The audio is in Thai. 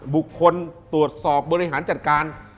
บุคคลตรวจสอบบริหารจัดการ